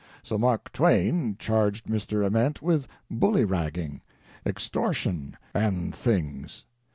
So Mark Twain charged Mr. Ament with bullyragging, extortion and things.